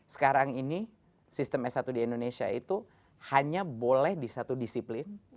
sekarang ini sistem s satu di indonesia itu hanya boleh di satu disiplin